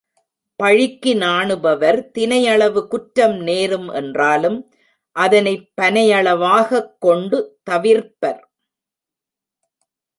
பழிக்கு நாணுபவர் தினை அளவு குற்றம் நேரும் என்றாலும் அதனைப் பனையளவாகக் கொண்டு தவிர்ப்பர்.